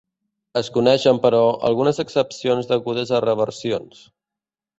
Es coneixen però, algunes excepcions degudes a reversions.